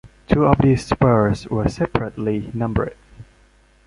Two of these spurs were separately numbered.